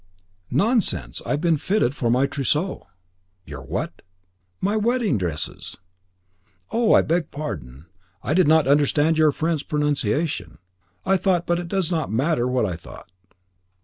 "Nonsense. I have been fitted for my trousseau." "Your what?" "My wedding dresses." "Oh, I beg pardon. I did not understand your French pronunciation. I thought but it does not matter what I thought."